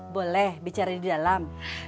boleh bicara di dalam